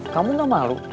kamu gak malu